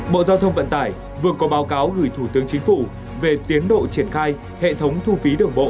bộ giao thông vận tải vừa có báo cáo gửi thủ tướng chính phủ về tiến độ triển khai hệ thống thu phí đường bộ